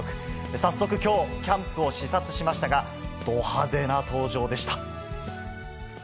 早速きょう、キャンプを視察しましたが、ど派手な登場でした。